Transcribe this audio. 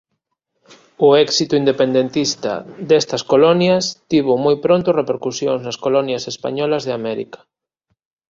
O éxito independentista destas colonias tivo moi pronto repercusións nas colonias españolas de América.